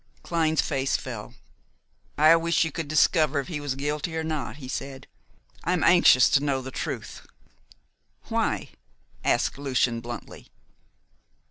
Clyne's face fell. "I wish you could discover if he is guilty or not," he said. "I am anxious to know the truth." "Why?" asked Lucian bluntly.